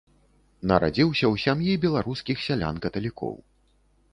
Нарадзіўся ў сям'і беларускіх сялян-каталікоў.